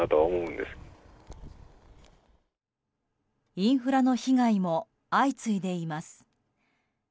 インフラの被害も相次いでいます。